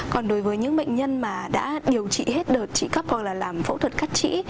còn đối với những bệnh nhân mà đã điều trị hết đợt trị cấp hoặc là làm phẫu thuật cắt trĩ